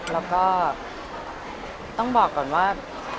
แล้วก็ต้องบอกก่อนว่า